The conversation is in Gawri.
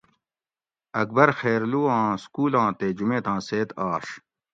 اکبر خیرلو آں سکولاں تے جمیتاں سیت آش